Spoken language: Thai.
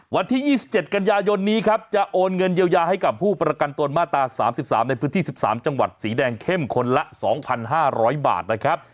วันที่๒๗กันยายนนี้ครับจะโอนเงินเยียวยาให้กับผู้ประกันตนมาตรา๓๓ในพื้นที่๑๓จังหวัดสีแดงเข้มคนละ๒๕๐๐บาทนะครับ